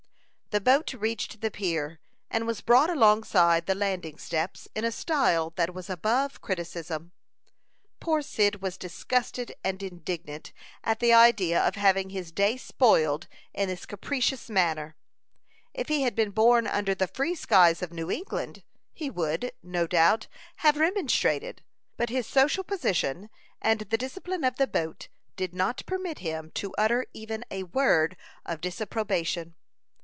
The boat reached the pier, and was brought alongside the landing steps, in a style that was above criticism. Poor Cyd was disgusted and indignant at the idea of having his day spoiled in this capricious manner. If he had been born under the free skies of New England, he would, no doubt, have remonstrated; but his social position and the discipline of the boat did not permit him to utter even a word of disapprobation.